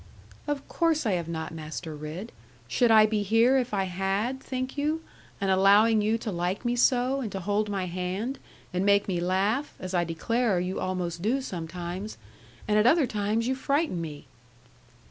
'Of course I have not, Master Ridd. Should I be here if I had, think you, and allowing you to like me so, and to hold my hand, and make me laugh, as I declare you almost do sometimes? And at other times you frighten me.'